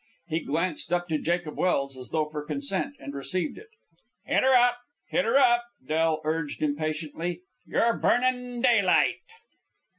He glanced up to Jacob Welse, as though for consent, and received it. "Hit 'er up! Hit 'er up!" Del urged impatiently. "You're burnin' daylight!"